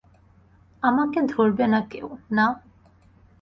আমাকে ধরবে না কেউ, না।